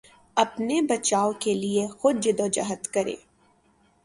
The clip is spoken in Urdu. اپنے بچاؤ کے لیے خود جدوجہد کریں